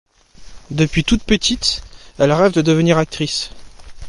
Depuis toutes petites, elles rêvent de devenir actrices.